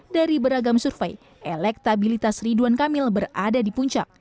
dari beragam survei elektabilitas ridwan kamil berada di puncak